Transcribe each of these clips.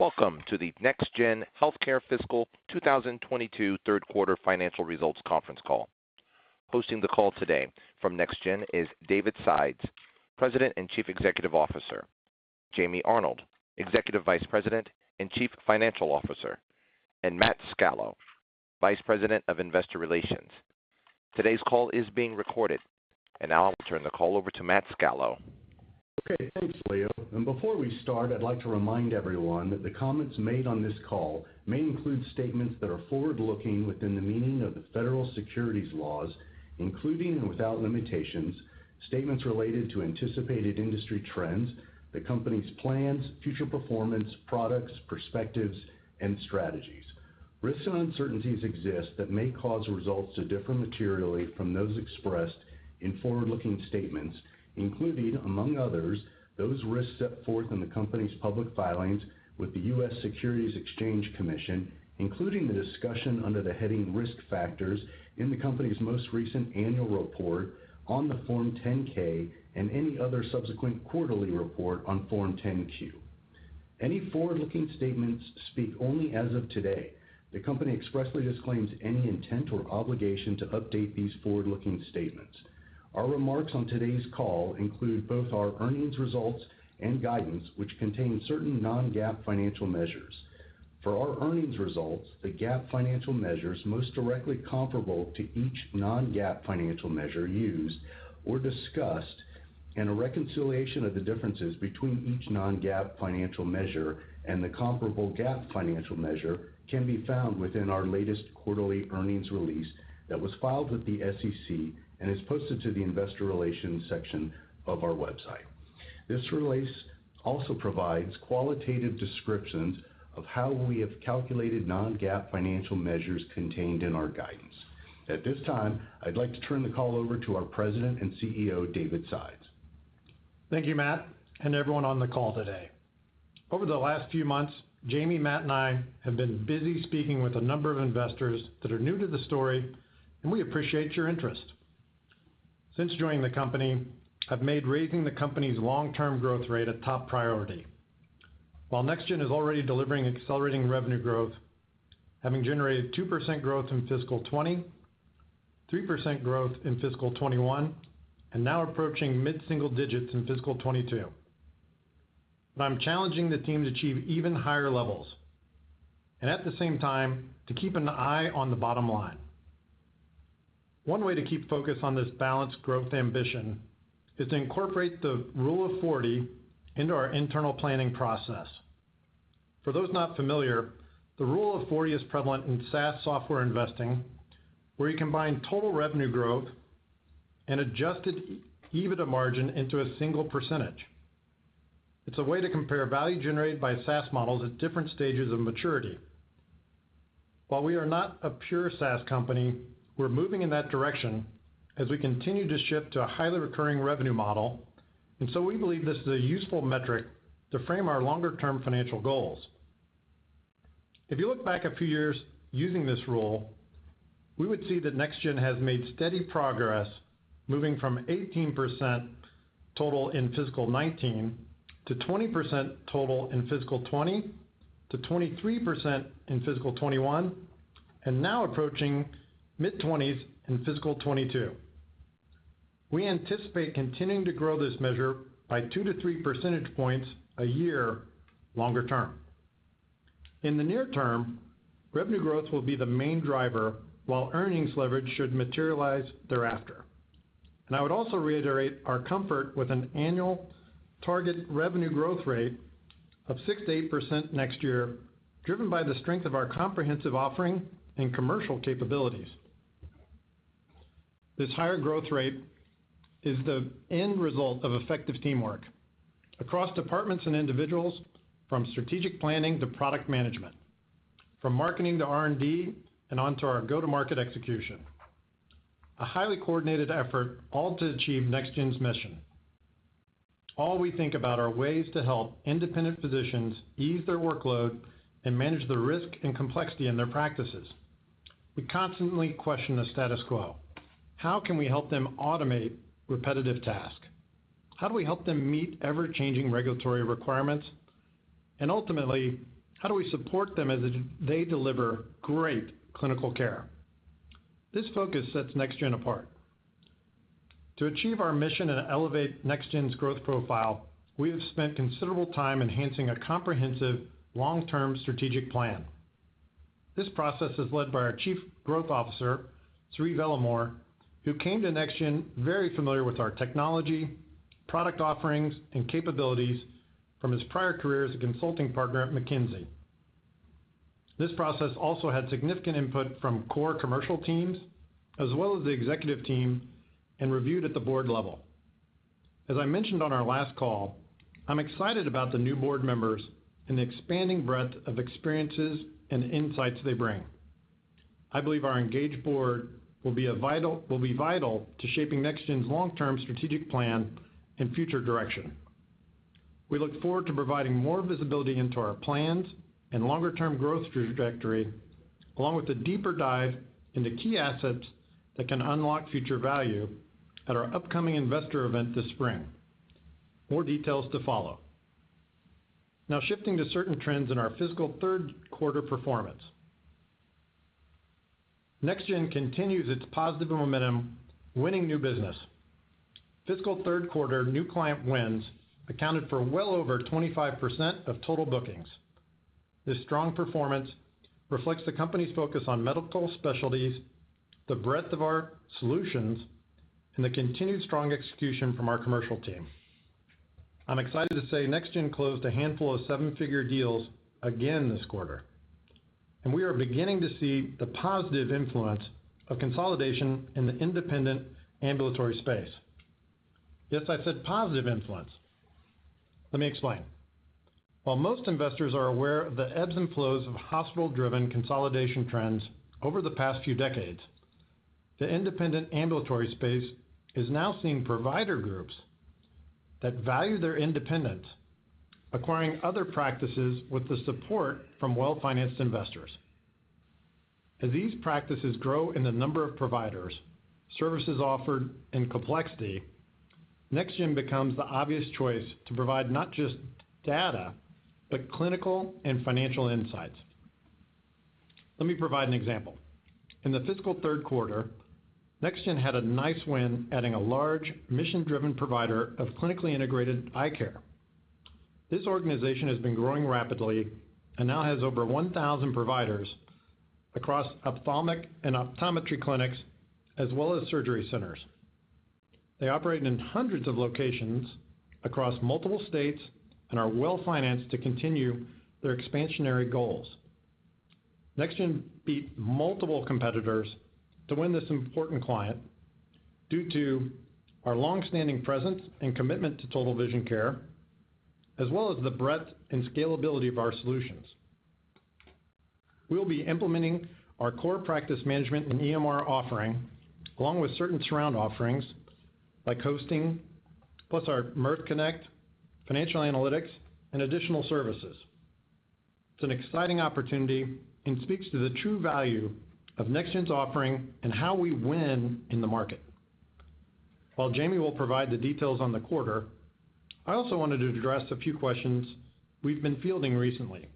Welcome to the NextGen Healthcare Fiscal 2022 third quarter financial results conference call. Hosting the call today from NextGen is David Sides, President and Chief Executive Officer. Jamie Arnold, Executive Vice President and Chief Financial Officer, and Matt Scalo, Vice President of Investor Relations. Today's call is being recorded. Now I'll turn the call over to Matt Scalo. Okay, thanks, Leo. Before we start, I'd like to remind everyone that the comments made on this call may include statements that are forward-looking within the meaning of the federal securities laws, including, and without limitations, statements related to anticipated industry trends, the company's plans, future performance, products, perspectives, and strategies. Risks and uncertainties exist that may cause results to differ materially from those expressed in forward-looking statements, including, among others, those risks set forth in the company's public filings with the U.S. Securities and Exchange Commission, including the discussion under the heading Risk Factors in the company's most recent annual report on the Form 10-K and any other subsequent quarterly report on Form 10-Q. Any forward-looking statements speak only as of today. The company expressly disclaims any intent or obligation to update these forward-looking statements. Our remarks on today's call include both our earnings results and guidance, which contain certain non-GAAP financial measures. For our earnings results, the GAAP financial measures most directly comparable to each non-GAAP financial measure used or discussed, and a reconciliation of the differences between each non-GAAP financial measure and the comparable GAAP financial measure can be found within our latest quarterly earnings release that was filed with the SEC and is posted to the investor relations section of our website. This release also provides qualitative descriptions of how we have calculated non-GAAP financial measures contained in our guidance. At this time, I'd like to turn the call over to our President and CEO, David Sides. Thank you, Matt, and everyone on the call today. Over the last few months, Jamie, Matt, and I have been busy speaking with a number of investors that are new to the story, and we appreciate your interest. Since joining the company, I've made raising the company's long-term growth rate a top priority. While NextGen is already delivering accelerating revenue growth, having generated 2% growth in fiscal 2020, 3% growth in fiscal 2021, and now approaching mid-single digits in fiscal 2022, I'm challenging the team to achieve even higher levels, and at the same time, to keep an eye on the bottom line. One way to keep focused on this balanced growth ambition is to incorporate the Rule of 40 into our internal planning process. For those not familiar, the rule of 40 is prevalent in SaaS software investing, where you combine total revenue growth and adjusted EBITDA margin into a single percentage. It's a way to compare value generated by SaaS models at different stages of maturity. While we are not a pure SaaS company, we're moving in that direction as we continue to shift to a highly recurring revenue model, and so we believe this is a useful metric to frame our longer-term financial goals. If you look back a few years using this rule, we would see that NextGen has made steady progress moving from 18% total in fiscal 2019, to 20% total in fiscal 2020, to 23% in fiscal 2021, and now approaching mid-20s in fiscal 2022. We anticipate continuing to grow this measure by two to three percentage points a year longer term. In the near term, revenue growth will be the main driver while earnings leverage should materialize thereafter. I would also reiterate our comfort with an annual target revenue growth rate of 6%-8% next year, driven by the strength of our comprehensive offering and commercial capabilities. This higher growth rate is the end result of effective teamwork across departments and individuals from strategic planning to product management, from marketing to R&D, and onto our go-to-market execution. A highly coordinated effort all to achieve NextGen's mission. All we think about are ways to help independent physicians ease their workload and manage the risk and complexity in their practices. We constantly question the status quo. How can we help them automate repetitive tasks? How do we help them meet ever-changing regulatory requirements? Ultimately, how do we support them as they deliver great clinical care? This focus sets NextGen apart. To achieve our mission and elevate NextGen's growth profile, we have spent considerable time enhancing a comprehensive long-term strategic plan. This process is led by our Chief Growth Officer, Sri Velamoor, who came to NextGen very familiar with our technology, product offerings, and capabilities from his prior career as a consulting partner at McKinsey. This process also had significant input from core commercial teams as well as the executive team and reviewed at the board level. As I mentioned on our last call, I'm excited about the new board members and the expanding breadth of experiences and insights they bring. I believe our engaged board will be vital to shaping NextGen's long-term strategic plan and future direction. We look forward to providing more visibility into our plans and longer-term growth trajectory, along with a deeper dive into key assets that can unlock future value at our upcoming investor event this spring. More details to follow. Now shifting to certain trends in our fiscal third quarter performance. NextGen continues its positive momentum, winning new business. Fiscal third quarter new client wins accounted for well over 25% of total bookings. This strong performance reflects the company's focus on medical specialties, the breadth of our solutions, and the continued strong execution from our commercial team. I'm excited to say NextGen closed a handful of seven-figure deals again this quarter, and we are beginning to see the positive influence of consolidation in the independent ambulatory space. Yes, I said positive influence. Let me explain. While most investors are aware of the ebbs and flows of hospital-driven consolidation trends over the past few decades, the independent ambulatory space is now seeing provider groups that value their independence, acquiring other practices with the support from well-financed investors. As these practices grow in the number of providers, services offered, and complexity, NextGen becomes the obvious choice to provide not just data, but clinical and financial insights. Let me provide an example. In the fiscal third quarter, NextGen had a nice win, adding a large mission-driven provider of clinically integrated eye care. This organization has been growing rapidly and now has over 1,000 providers across ophthalmic and optometry clinics, as well as surgery centers. They operate in hundreds of locations across multiple states and are well-financed to continue their expansionary goals. NextGen beat multiple competitors to win this important client due to our long-standing presence and commitment to total vision care, as well as the breadth and scalability of our solutions. We'll be implementing our core practice management and EMR offering, along with certain surround offerings by, plus our Mirth Connect, financial analytics, and additional services. It's an exciting opportunity and speaks to the true value of NextGen's offering and how we win in the market. While Jamie will provide the details on the quarter, I also wanted to address a few questions we've been fielding recently.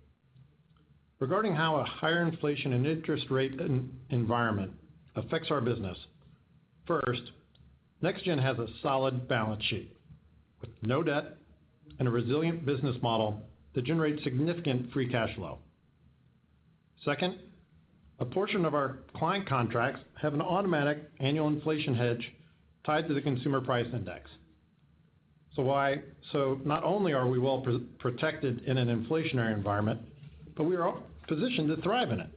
Regarding how a higher inflation and interest rate environment affects our business. First, NextGen has a solid balance sheet with no debt and a resilient business model that generates significant free cash flow. Second, a portion of our client contracts have an automatic annual inflation hedge tied to the consumer price index. Not only are we well protected in an inflationary environment, but we are positioned to thrive in it.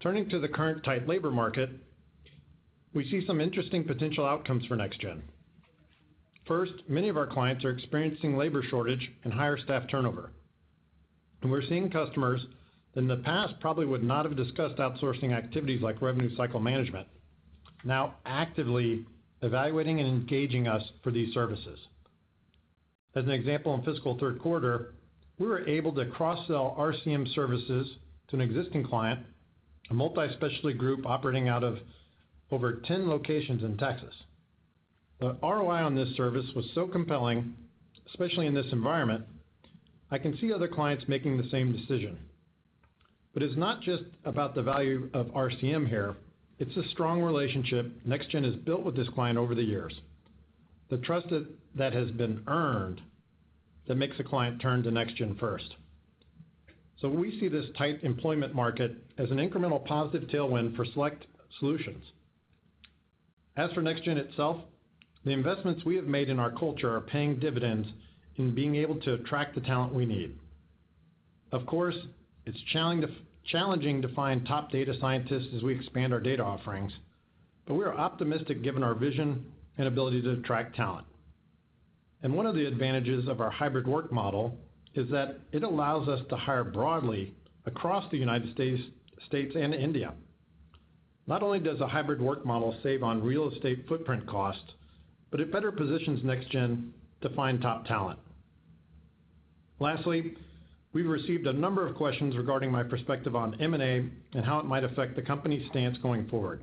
Turning to the current tight labor market, we see some interesting potential outcomes for NextGen. First, many of our clients are experiencing labor shortage and higher staff turnover. We're seeing customers in the past probably would not have discussed outsourcing activities like revenue cycle management, now actively evaluating and engaging us for these services. As an example, in fiscal third quarter, we were able to cross-sell RCM services to an existing client, a multi-specialty group operating out of over 10 locations in Texas. The ROI on this service was so compelling, especially in this environment. I can see other clients making the same decision. It's not just about the value of RCM here. It's a strong relationship NextGen has built with this client over the years. The trust that has been earned that makes a client turn to NextGen first. We see this tight employment market as an incremental positive tailwind for select solutions. As for NextGen itself, the investments we have made in our culture are paying dividends in being able to attract the talent we need. Of course, it's challenging to find top data scientists as we expand our data offerings, but we are optimistic given our vision and ability to attract talent. One of the advantages of our hybrid work model is that it allows us to hire broadly across the United States and India. Not only does a hybrid work model save on real estate footprint costs, but it better positions NextGen to find top talent. Lastly, we've received a number of questions regarding my perspective on M&A and how it might affect the company's stance going forward.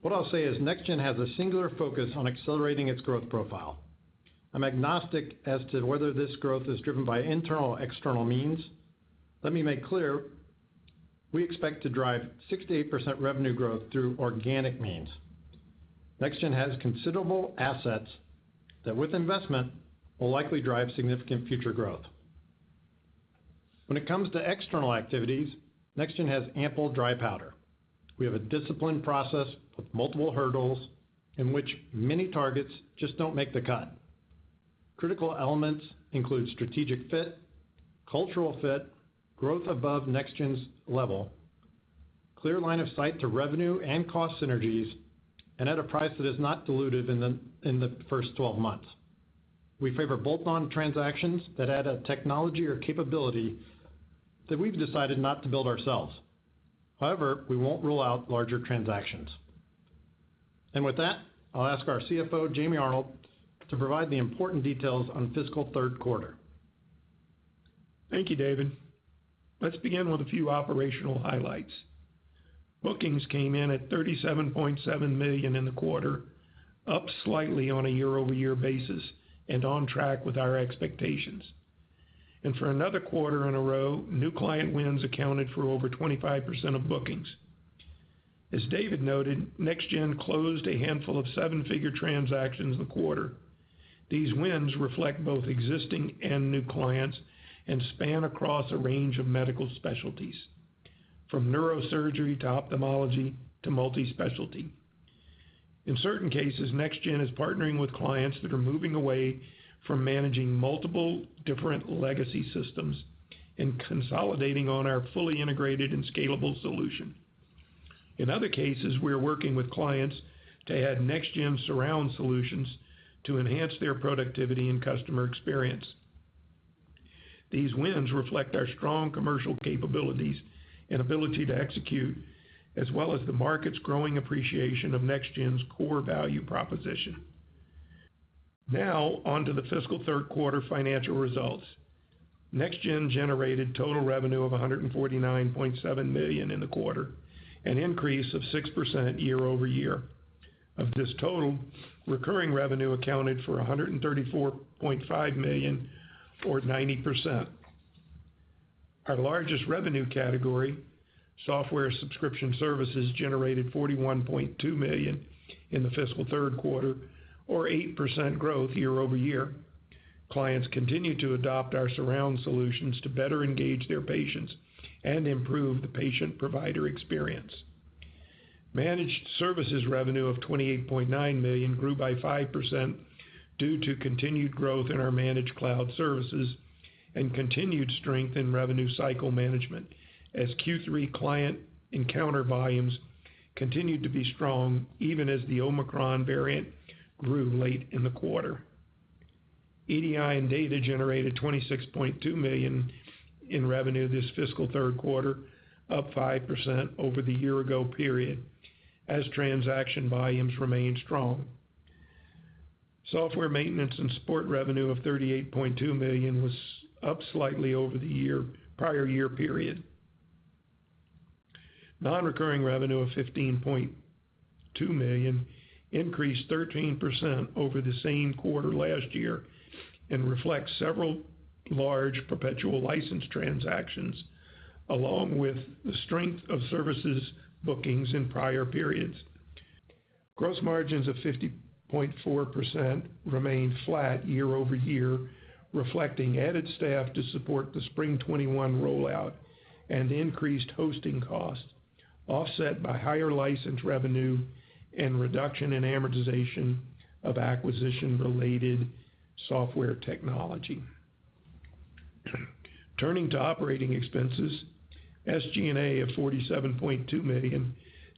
What I'll say is NextGen has a singular focus on accelerating its growth profile. I'm agnostic as to whether this growth is driven by internal or external means. Let me make clear, we expect to drive 6%-8% revenue growth through organic means. NextGen has considerable assets that with investment, will likely drive significant future growth. When it comes to external activities, NextGen has ample dry powder. We have a disciplined process with multiple hurdles in which many targets just don't make the cut. Critical elements include strategic fit, cultural fit, growth above NextGen's level, clear line of sight to revenue and cost synergies, and at a price that is not diluted in the first 12 months. We favor bolt-on transactions that add a technology or capability that we've decided not to build ourselves. However, we won't rule out larger transactions. With that, I'll ask our CFO, Jamie Arnold, to provide the important details on fiscal third quarter results. Thank you, David. Let's begin with a few operational highlights. Bookings came in at $37.7 million in the quarter, up slightly on a year-over-year basis and on track with our expectations. For another quarter in a row, new client wins accounted for over 25% of bookings. As David noted, NextGen closed a handful of seven-figure transactions in the quarter. These wins reflect both existing and new clients and span across a range of medical specialties, from neurosurgery to ophthalmology to multi-specialty. In certain cases, NextGen is partnering with clients that are moving away from managing multiple different legacy systems and consolidating on our fully integrated and scalable solution. In other cases, we are working with clients to add NextGen surround solutions to enhance their productivity and customer experience. These wins reflect our strong commercial capabilities and ability to execute, as well as the market's growing appreciation of NextGen's core value proposition. Now on to the fiscal third quarter financial results. NextGen generated total revenue of $149.7 million in the quarter, an increase of 6% year-over-year. Of this total, recurring revenue accounted for $134.5 million, or 90%. Our largest revenue category, software subscription services, generated $41.2 million in the fiscal third quarter, or 8% growth year-over-year. Clients continue to adopt our surround solutions to better engage their patients and improve the patient-provider experience. Managed services revenue of $28.9 million grew by 5% due to continued growth in our managed cloud services and continued strength in revenue cycle management as Q3 client encounter volumes continued to be strong even as the Omicron variant grew late in the quarter. EDI and data generated $26.2 million in revenue this fiscal third quarter, up 5% over the year ago period as transaction volumes remained strong. Software maintenance and support revenue of $38.2 million was up slightly over the year-prior year period. Non-recurring revenue of $15.2 million increased 13% over the same quarter last year and reflects several large perpetual license transactions along with the strength of services bookings in prior periods. Gross margins of 50.4% remained flat year-over-year, reflecting added staff to support the Spring 2021 rollout and increased hosting costs, offset by higher license revenue and reduction in amortization of acquisition-related software technology. Turning to operating expenses, SG&A of $47.2 million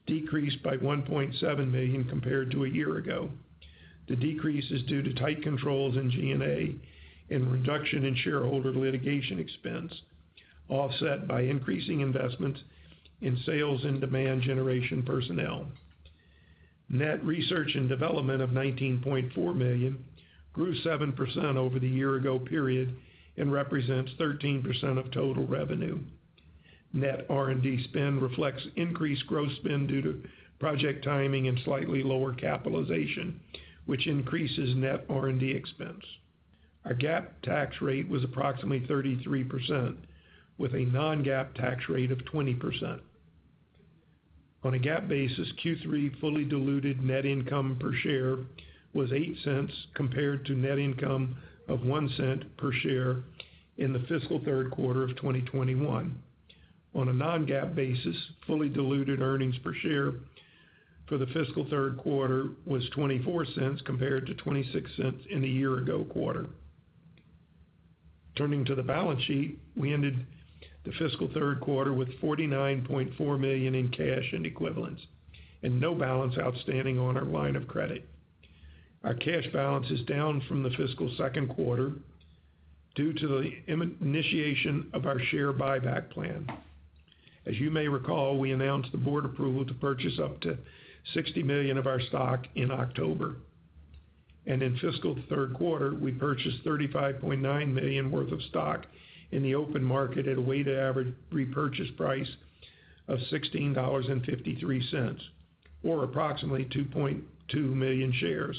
decreased by $1.7 million compared to a year ago. The decrease is due to tight controls in G&A and reduction in shareholder litigation expense, offset by increasing investments in sales and demand generation personnel. Net research and development of $19.4 million grew 7% over the year ago period and represents 13% of total revenue. Net R&D spend reflects increased gross spend due to project timing and slightly lower capitalization, which increases net R&D expense. Our GAAP tax rate was approximately 33%, with a non-GAAP tax rate of 20%. On a GAAP basis, Q3 fully diluted net income per share was $0.08 compared to net income of $0.01 per share in the fiscal third quarter of 2021. On a non-GAAP basis, fully diluted earnings per share for the fiscal third quarter was $0.24 compared to $0.26 in the year-ago quarter. Turning to the balance sheet, we ended the fiscal third quarter with $49.4 million in cash and equivalents and no balance outstanding on our line of credit. Our cash balance is down from the fiscal second quarter due to the initiation of our share buyback plan. As you may recall, we announced the board approval to purchase up to $60 million of our stock in October. In fiscal third quarter, we purchased $35.9 million worth of stock in the open market at a weighted average repurchase price of $16.53, or approximately 2.2 million shares.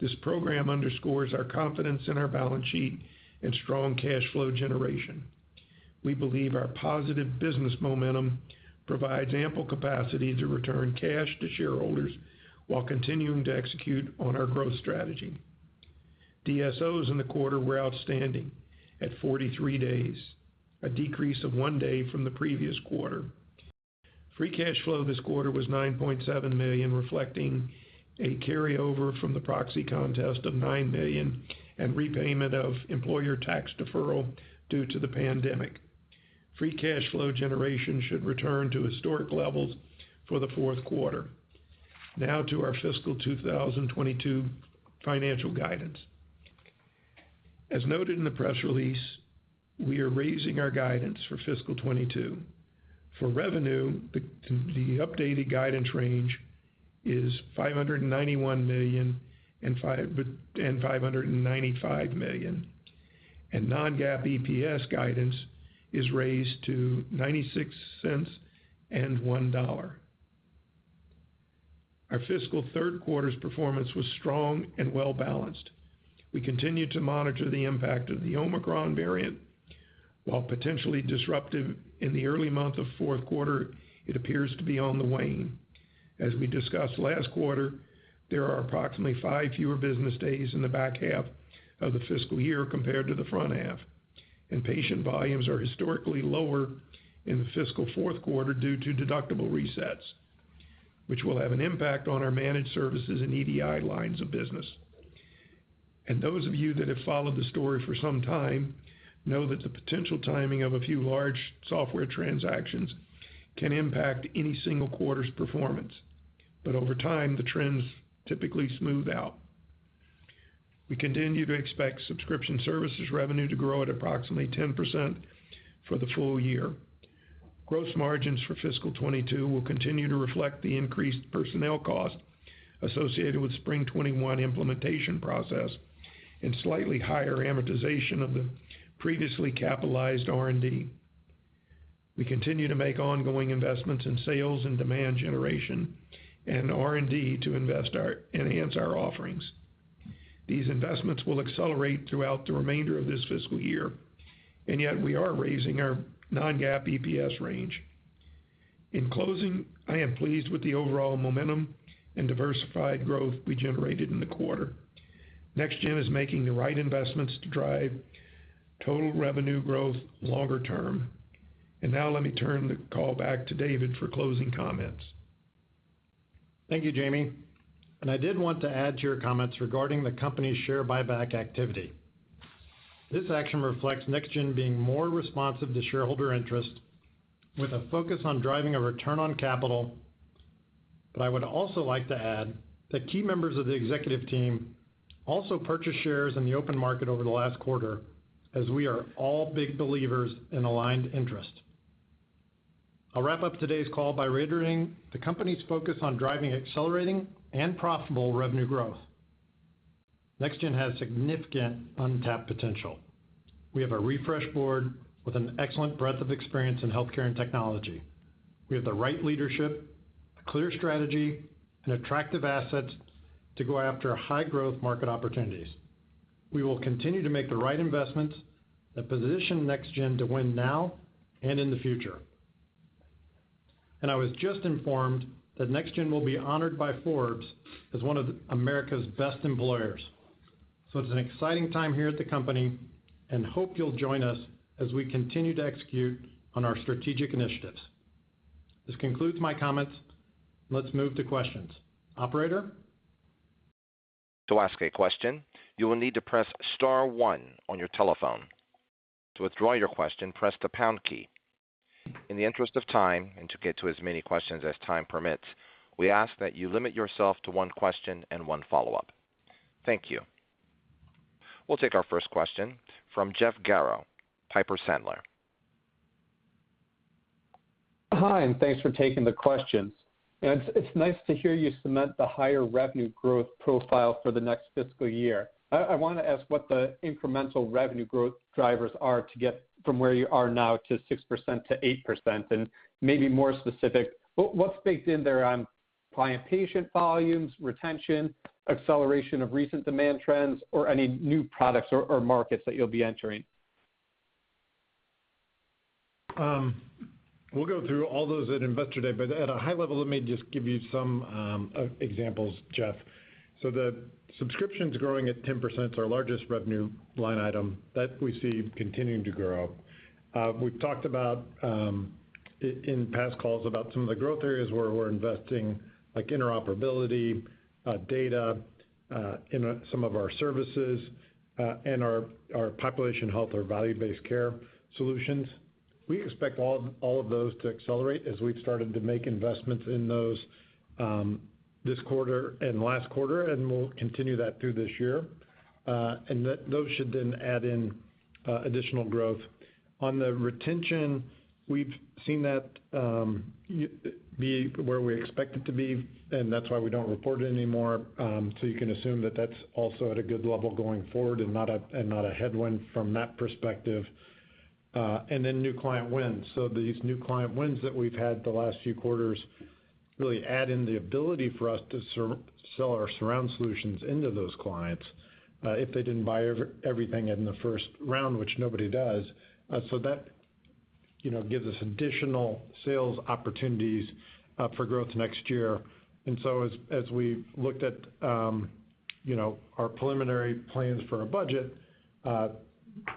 This program underscores our confidence in our balance sheet and strong cash flow generation. We believe our positive business momentum provides ample capacity to return cash to shareholders while continuing to execute on our growth strategy. DSOs in the quarter were outstanding at 43 days, a decrease of one day from the previous quarter. Free cash flow this quarter was $9.7 million, reflecting a carryover from the proxy contest of $9 million and repayment of employer tax deferral due to the pandemic. Free cash flow generation should return to historic levels for the fourth quarter. Now to our fiscal 2022 financial guidance. As noted in the press release, we are raising our guidance for fiscal 2022. For revenue, the updated guidance range is $591 million-$595 million. Non-GAAP EPS guidance is raised to $0.96-$1.00. Our fiscal third quarter's performance was strong and well-balanced. We continue to monitor the impact of the Omicron variant. While potentially disruptive in the early months of the fourth quarter, it appears to be on the wane. As we discussed last quarter, there are approximately five fewer business days in the back half of the fiscal year compared to the front half, and patient volumes are historically lower in the fiscal fourth quarter due to deductible resets, which will have an impact on our managed services and EDI lines of business. Those of you that have followed the story for some time know that the potential timing of a few large software transactions can impact any single quarter's performance. Over time, the trends typically smooth out. We continue to expect subscription services revenue to grow at approximately 10% for the full year. Gross margins for fiscal 2022 will continue to reflect the increased personnel cost associated with Spring 2021 implementation process and slightly higher amortization of the previously capitalized R&D. We continue to make ongoing investments in sales and demand generation and R&D to enhance our offerings. These investments will accelerate throughout the remainder of this fiscal year, and yet we are raising our non-GAAP EPS range. In closing, I am pleased with the overall momentum and diversified growth we generated in the quarter. NextGen is making the right investments to drive total revenue growth longer term. Now let me turn the call back to David for closing comments. Thank you, Jamie. I did want to add to your comments regarding the company's share buyback activity. This action reflects NextGen being more responsive to shareholder interest with a focus on driving a return on capital. I would also like to add that key members of the executive team also purchased shares in the open market over the last quarter, as we are all big believers in aligned interest. I'll wrap up today's call by reiterating the company's focus on driving accelerating and profitable revenue growth. NextGen has significant untapped potential. We have a refreshed board with an excellent breadth of experience in healthcare and technology. We have the right leadership, a clear strategy, and attractive assets to go after high-growth market opportunities. We will continue to make the right investments that position NextGen to win now and in the future. I was just informed that NextGen will be honored by Forbes as one of America's Best Employers. It's an exciting time here at the company, and I hope you'll join us as we continue to execute on our strategic initiatives. This concludes my comments. Let's move to questions. Operator? To ask a question, you will need to press star one on your telephone. To withdraw your question, press the pound key. In the interest of time, and to get to as many questions as time permits, we ask that you limit yourself to one question and one follow-up. Thank you. We'll take our first question from Jeff Garro, Piper Sandler. Hi, thanks for taking the questions. It's nice to hear you cement the higher revenue growth profile for the next fiscal year. I wanna ask what the incremental revenue growth drivers are to get from where you are now to 6%-8%, and maybe more specific, what's baked in there on client patient volumes, retention, acceleration of recent demand trends, or any new products or markets that you'll be entering? We'll go through all those at Investor Day, but at a high level, let me just give you some examples, Jeff. The subscription's growing at 10%. It's our largest revenue line item. That, we see continuing to grow. We've talked about in past calls about some of the growth areas where we're investing, like interoperability, data, in some of our services, and our population health or value-based care solutions. We expect all of those to accelerate as we've started to make investments in those this quarter and last quarter, and we'll continue that through this year. Those should then add in additional growth. On the retention, we've seen that it'll be where we expect it to be, and that's why we don't report it anymore. You can assume that that's also at a good level going forward and not a headwind from that perspective. New client wins. These new client wins that we've had the last few quarters really add in the ability for us to sell our surround solutions into those clients, if they didn't buy everything in the first round, which nobody does. That, you know, gives us additional sales opportunities for growth next year. We've looked at, you know, our preliminary plans for our budget,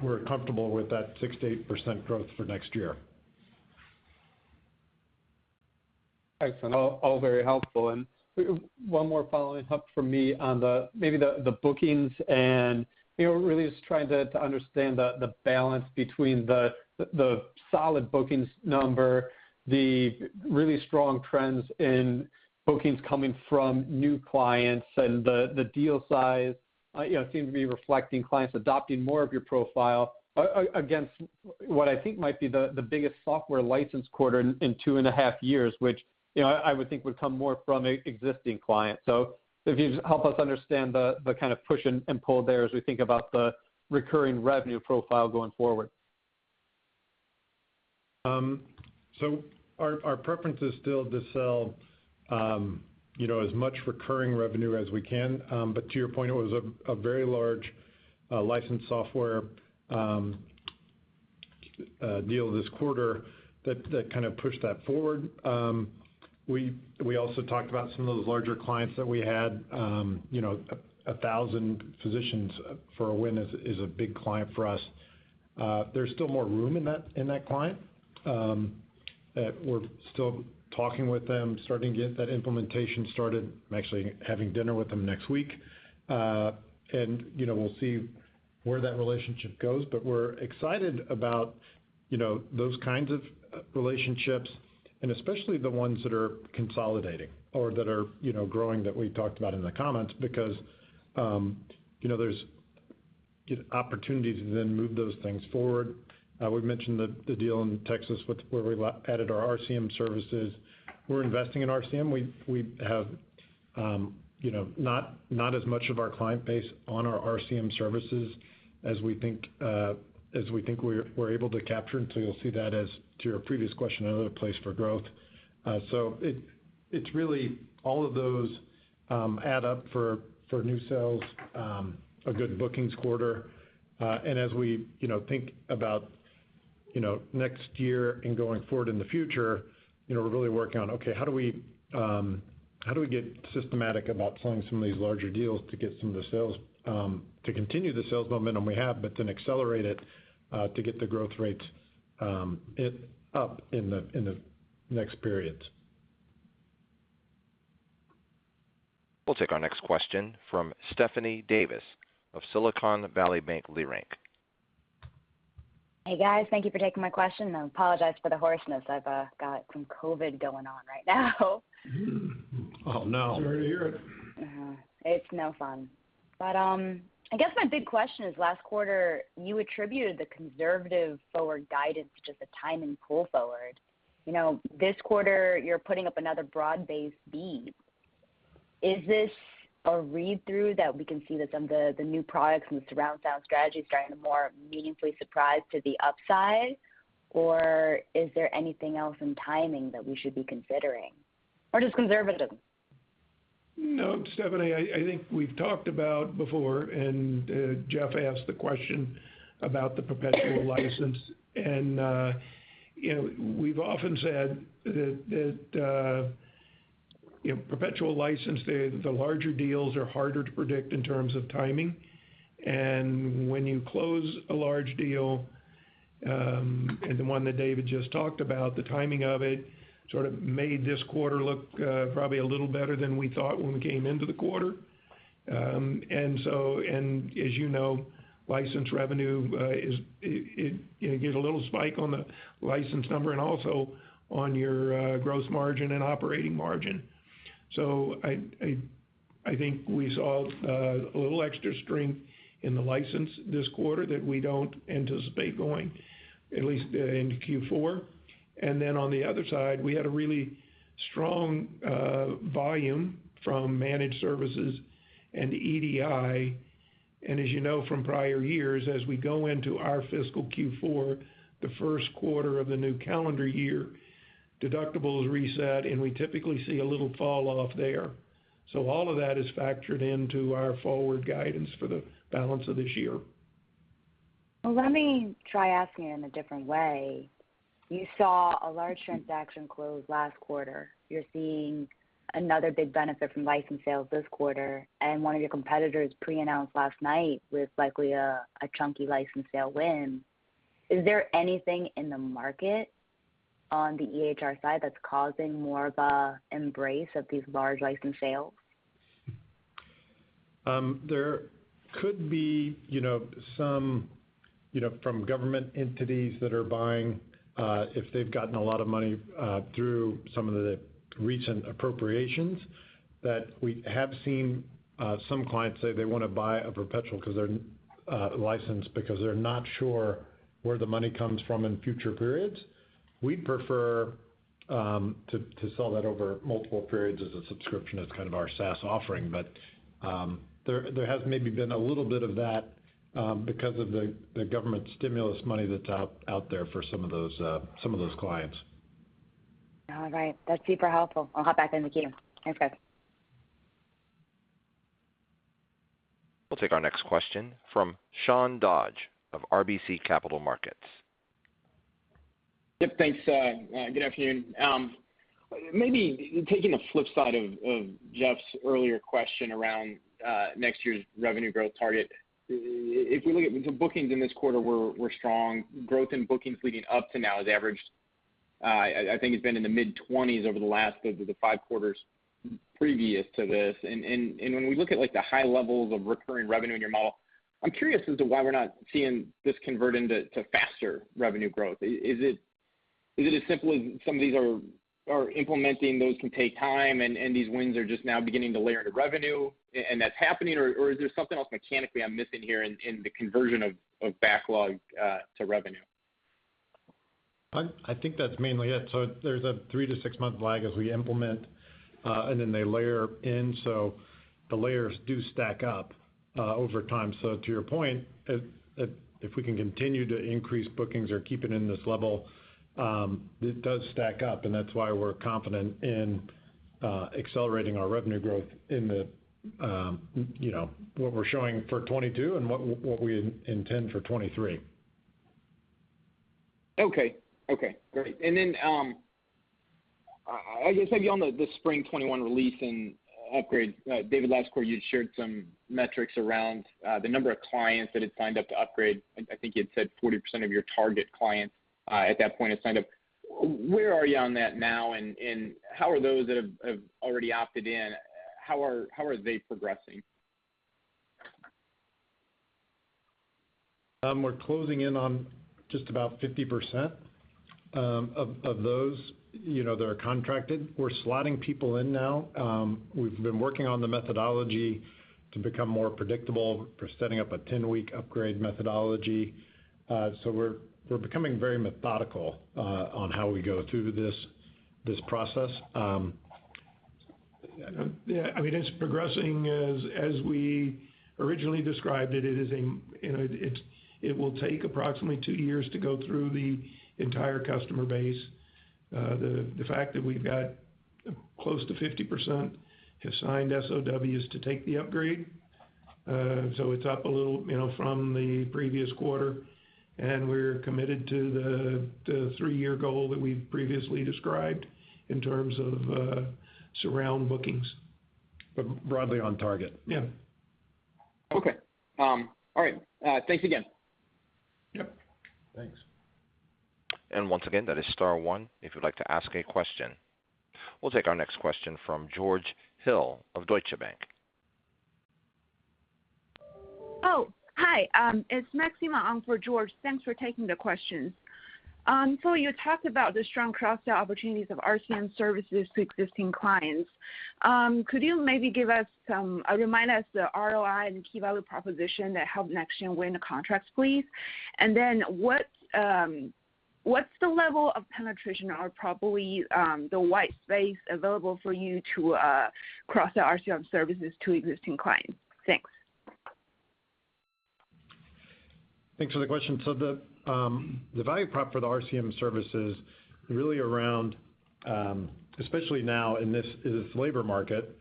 we're comfortable with that 6%-8% growth for next year. Excellent. All very helpful. One more following up from me on the bookings and, you know, really just trying to understand the balance between the solid bookings number, the really strong trends in bookings coming from new clients and the deal size, you know, seem to be reflecting clients adopting more of your profile against what I think might be the biggest software license quarter in two and a half years, which, you know, I would think would come more from existing clients. If you just help us understand the kind of push and pull there as we think about the recurring revenue profile going forward. Our preference is still to sell, you know, as much recurring revenue as we can. To your point, it was a very large licensed software deal this quarter that kind of pushed that forward. We also talked about some of those larger clients that we had, you know, 1,000 physicians for a win is a big client for us. There's still more room in that client that we're still talking with them, starting to get that implementation started. I'm actually having dinner with them next week. You know, we'll see where that relationship goes. We're excited about, you know, those kinds of relationships, and especially the ones that are consolidating or that are, you know, growing that we talked about in the comments because, you know, there's opportunities to then move those things forward. We've mentioned the deal in Texas with where we added our RCM services. We're investing in RCM. We have, you know, not as much of our client base on our RCM services as we think we're able to capture. You'll see that as to your previous question, another place for growth. It's really all of those add up for new sales, a good bookings quarter. As we, you know, think about, you know, next year and going forward in the future, you know, we're really working on, okay, how do we get systematic about selling some of these larger deals to get some of the sales to continue the sales momentum we have, but then accelerate it to get the growth rates it up in the next periods. We'll take our next question from Stephanie Davis of SVB Leerink. Hey, guys. Thank you for taking my question. I apologize for the hoarseness. I've got some COVID going on right now. Oh, no. Sorry to hear it. It's no fun. I guess my big question is, last quarter, you attributed the conservative forward guidance to just a timing pull forward. You know, this quarter you're putting up another broad-based beat. Is this a read-through that we can see that some of the new products and the surround sound strategy is starting to more meaningfully surprise to the upside, or is there anything else in timing that we should be considering, or just conservative? No, Stephanie, I think we've talked about before, and Jeff asked the question about the perpetual license. You know, we've often said that you know, perpetual license, the larger deals are harder to predict in terms of timing. When you close a large deal, and the one that David just talked about, the timing of it sort of made this quarter look probably a little better than we thought when we came into the quarter. As you know, license revenue is. You get a little spike on the license number and also on your gross margin and operating margin. I think we saw a little extra strength in the license this quarter that we don't anticipate going at least into Q4. On the other side, we had a really strong volume from managed services and EDI. As you know from prior years, as we go into our fiscal Q4, the first quarter of the new calendar year, deductibles reset, and we typically see a little falloff there. All of that is factored into our forward guidance for the balance of this year. Well, let me try asking it in a different way. You saw a large transaction close last quarter. You're seeing another big benefit from license sales this quarter, and one of your competitors pre-announced last night with likely a chunky license sale win. Is there anything in the market on the EHR side that's causing more of a embrace of these large license sales? There could be, you know, some, you know, from government entities that are buying, if they've gotten a lot of money through some of the recent appropriations that we have seen. Some clients say they wanna buy a perpetual license because they're not sure where the money comes from in future periods. We'd prefer to sell that over multiple periods as a subscription as kind of our SaaS offering. But there has maybe been a little bit of that because of the government stimulus money that's out there for some of those clients. All right. That's super helpful. I'll hop back in the queue. Thanks, guys. We'll take our next question from Sean Dodge of RBC Capital Markets. Yep. Thanks. Good afternoon. Maybe taking a flip side of Jeff's earlier question around next year's revenue growth target. If we look at the bookings in this quarter were strong. Growth in bookings leading up to now has averaged I think it's been in the mid-20s over the last five quarters previous to this. When we look at like the high levels of recurring revenue in your model, I'm curious as to why we're not seeing this convert into faster revenue growth. Is it as simple as some of these are implementing those can take time and these wins are just now beginning to layer into revenue and that's happening or is there something else mechanically I'm missing here in the conversion of backlog to revenue? I think that's mainly it. There's a three to six-month lag as we implement, and then they layer in, so the layers do stack up over time. To your point, if we can continue to increase bookings or keep it in this level, it does stack up and that's why we're confident in accelerating our revenue growth in the, you know, what we're showing for 2022 and what we intend for 2023. Okay, great. I said, you know, the Spring 2021 release and upgrade, David, last quarter you had shared some metrics around the number of clients that had signed up to upgrade. I think you'd said 40% of your target clients at that point had signed up. Where are you on that now? And how are those that have already opted in, how are they progressing? We're closing in on just about 50% of those, you know, that are contracted. We're slotting people in now. We've been working on the methodology to become more predictable. We're setting up a 10-week upgrade methodology. We're becoming very methodical on how we go through this process. Yeah, I mean, it's progressing as we originally described it. You know, it will take approximately two years to go through the entire customer base. The fact that we've got close to 50% have signed SOWs to take the upgrade, so it's up a little, you know, from the previous quarter, and we're committed to the three-year goal that we've previously described in terms of surround bookings. Broadly on target. Yeah. Okay. All right, thanks again. Yeah, thanks. Once again, that is star one if you'd like to ask a question. We'll take our next question from George Hill of Deutsche Bank. Oh, hi, it's Maxima on for George. Thanks for taking the question. You talked about the strong cross-sell opportunities of RCM services to existing clients. Could you maybe give us some or remind us the ROI and key value proposition that helped NextGen win the contracts, please? What's the level of penetration or probably the white space available for you to cross-sell the RCM services to existing clients? Thanks. Thanks for the question. The value prop for the RCM services really around especially now in this labor market,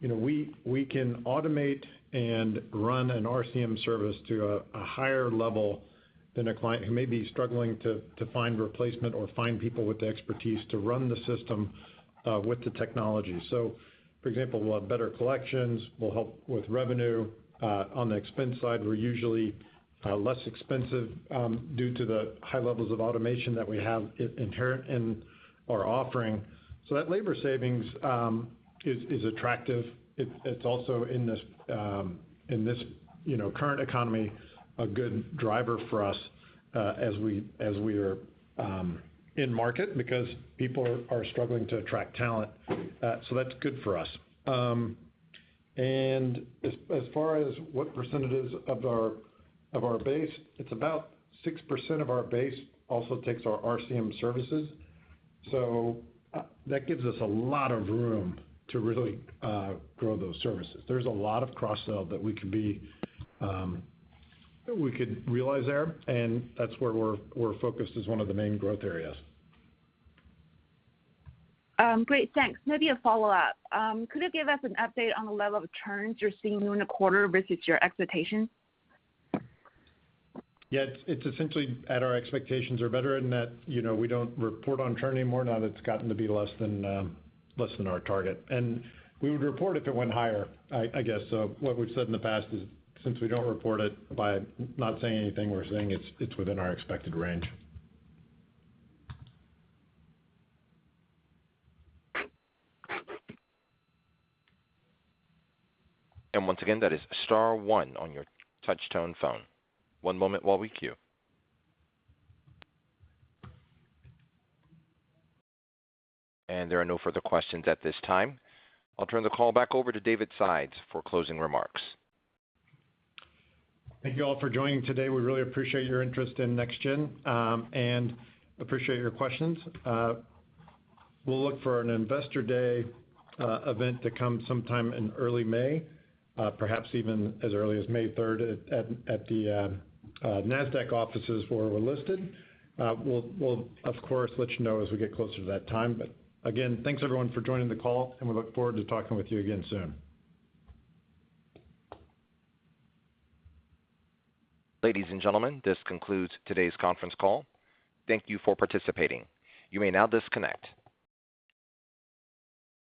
you know, we can automate and run an RCM service to a higher level than a client who may be struggling to find replacement or find people with the expertise to run the system with the technology. For example, we'll have better collections, we'll help with revenue. On the expense side, we're usually less expensive due to the high levels of automation that we have inherent in our offering. That labor savings is attractive. It's also in this current economy, a good driver for us as we are in market because people are struggling to attract talent. That's good for us. As far as what percentage of our base, it's about 6% of our base that also takes our RCM services. That gives us a lot of room to really grow those services. There's a lot of cross-sell that we could realize there, and that's where we're focused as one of the main growth areas. Great, thanks. Maybe a follow-up. Could you give us an update on the level of churns you're seeing during the quarter versus your expectations? Yeah. It's essentially at our expectations or better in that, you know, we don't report on churn anymore now that it's gotten to be less than our target. We would report if it went higher, I guess. What we've said in the past is, since we don't report it, by not saying anything, we're saying it's within our expected range. Once again, that is star one on your touch-tone phone. One moment while we queue. There are no further questions at this time. I'll turn the call back over to David Sides for closing remarks. Thank you all for joining today. We really appreciate your interest in NextGen and appreciate your questions. We'll look for an Investor Day event to come sometime in early May, perhaps even as early as May 3rd at the Nasdaq offices where we're listed. We'll of course let you know as we get closer to that time. Again, thanks everyone for joining the call, and we look forward to talking with you again soon. Ladies and gentlemen, this concludes today's conference call. Thank you for participating. You may now disconnect.